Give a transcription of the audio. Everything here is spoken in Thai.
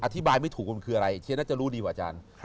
อธิบายไม่ถูกมันคืออะไรเช่นน่าจะรู้ดีกว่าอาจารย์